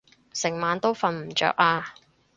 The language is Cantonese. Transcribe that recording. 成晚都瞓唔著啊